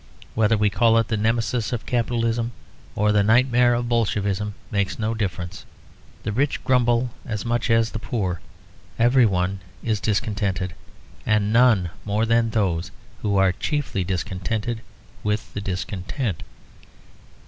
Whether we call it the nemesis of Capitalism or the nightmare of Bolshevism makes no difference; the rich grumble as much as the poor; every one is discontented, and none more than those who are chiefly discontented with the discontent.